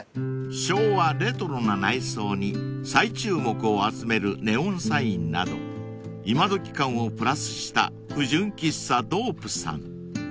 ［昭和レトロな内装に再注目を集めるネオンサインなど今どき感をプラスした不純喫茶ドープさん］